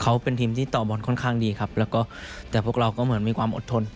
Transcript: เขาเป็นทีมที่ต่อบอลค่อนข้างดีครับแล้วก็แต่พวกเราก็เหมือนมีความอดทน